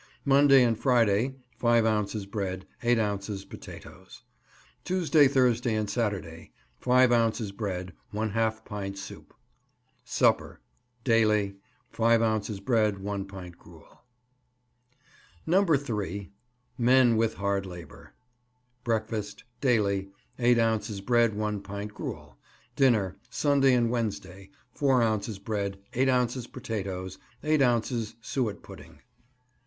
Monday and Friday 5 ounces bread, 8 ounces potatoes. Tuesday, Thursday and Saturday 5 ounces bread, ½ pint soup. Supper Daily 5 ounces bread, 1 pint gruel. No. 3. MEN WITH HARD LABOUR. Breakfast Daily 8 ounces bread, 1 pint gruel. Dinner Sunday and Wednesday 4 ounces bread, 8 ounces potatoes, 8 ounces suet pudding.